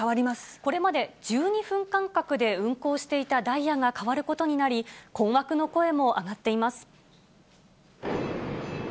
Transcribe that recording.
これまで１２分間隔で運行していたダイヤが変わることになり、困惑の声も上がっています。